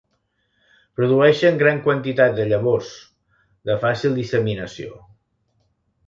Produeixen gran quantitat de llavors, de fàcil disseminació.